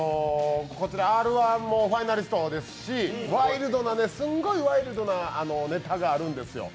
こちら「Ｒ−１」もファイナリストですし、すんごいワイルドなネタがあるんですよ。